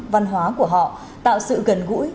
văn hóa của họ tạo sự gần gũi